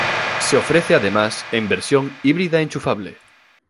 Se ofrece además en versión híbrida enchufable.